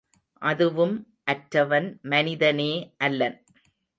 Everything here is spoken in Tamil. அதுவும் அற்றவன் மனிதனே அல்லன்.